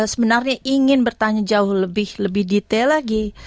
sebenarnya ingin bertanya jauh lebih detail lagi